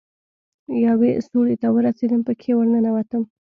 يوې سوړې ته ورسېدم پکښې ورننوتم.